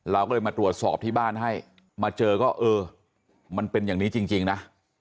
เราก็เลยมาตรวจสอบที่บ้านให้มาเจอก็เออมันเป็นอย่างนี้จริงนะ